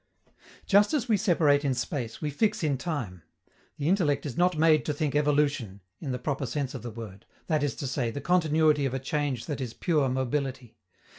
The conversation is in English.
Just as we separate in space, we fix in time. The intellect is not made to think evolution, in the proper sense of the word that is to say, the continuity of a change that is pure mobility.